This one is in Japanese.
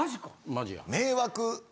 マジや。